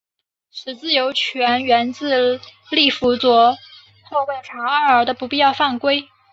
此自由球源自利物浦左后卫查奥尔的不必要犯规。